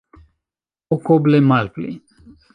Okoble malpli.